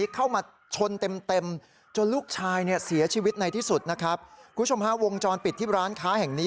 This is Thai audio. คุณผู้ชมฮะวงจรปิดที่ร้านข้าแห่งนี้